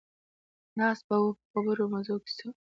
ناست به وو په خبرو، مزو او کیسو.